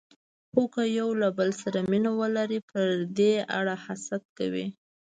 خو که یو له بل سره مینه ولري، په دې اړه حسد کوي.